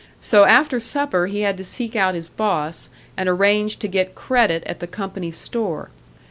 So after supper he had to seek out his boss, and arrange to get credit at the company store.